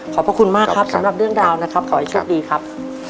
พระคุณมากครับสำหรับเรื่องราวนะครับขอให้โชคดีครับ